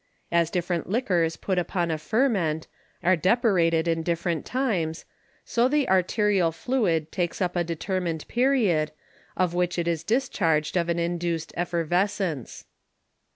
As different Liquors put upon a Ferment, are depurated in different times, so the Arterial Fluid takes up a determined Period, of which it is discharged of an induced Effervescence.